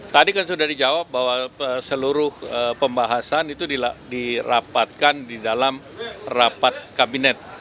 tadi kan sudah dijawab bahwa seluruh pembahasan itu dirapatkan di dalam rapat kabinet